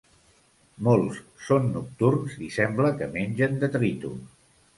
Molts són nocturns i sembla que mengen detritus.